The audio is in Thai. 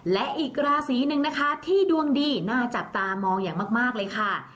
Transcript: และอีกราศีหนึ่งนะคะที่ดวงดีน่าจับตามองอย่างมากเลยค่ะ